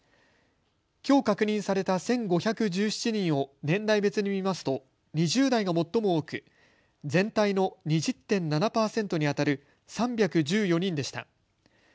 きょう確認された１５１７人を年代別に見ますと２０代が最も多く全体の２０．７％にあたる３１４人でした。